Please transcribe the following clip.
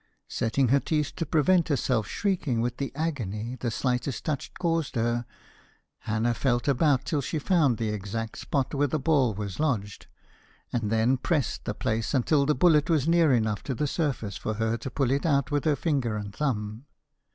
Setting her teeth to prevent herself shrieking with the agony the slightest touch caused her, Hannah felt about till she found the exact spot where the ball was lodged, and then pressed the place until the bullet was near enough to the surface for her to pull it out with her finger and thumb.